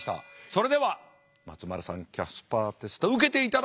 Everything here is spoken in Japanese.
それでは松丸さんキャスパーテスト受けていただきます。